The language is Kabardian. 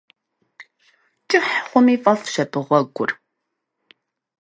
КӀыхь хъуми фӀэфӀщ абы гъуэгур.